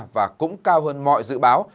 và cũng cao hơn mọi dự báo